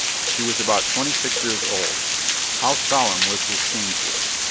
He was about twenty six years old. How solemn was this scene to us!